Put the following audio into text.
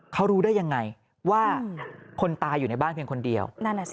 เขารู้ได้ยังไงว่าคนตายอยู่ในบ้านเพียงคนเดียวนั่นแหละสิ